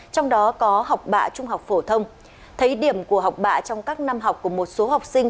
trong đó có học bạ trung học phổ thông thấy điểm của học bạ trong các năm học của một số học sinh